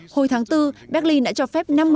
hồi tháng bốn berlin đã cho phép năm mươi trẻ tị nạn